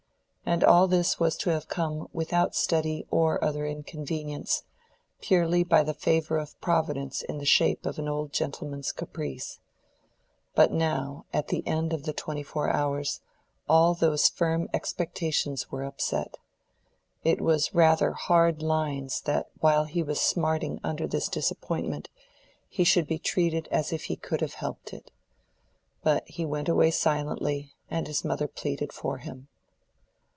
And all this was to have come without study or other inconvenience, purely by the favor of providence in the shape of an old gentleman's caprice. But now, at the end of the twenty four hours, all those firm expectations were upset. It was "rather hard lines" that while he was smarting under this disappointment he should be treated as if he could have helped it. But he went away silently and his mother pleaded for him.